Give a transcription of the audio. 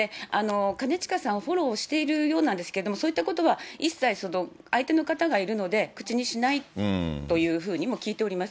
兼近さんフォローしてるようなんですけれども、そういったことは一切相手の方がいるので、口にしないというふうにも聞いております。